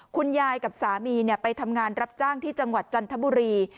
คุณยายกับสามีไปทำงานรับจ้างที่จังหวัดจันทบุรี